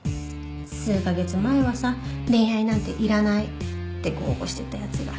数カ月前はさ恋愛なんていらないって豪語してたやつが。